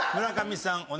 村上さん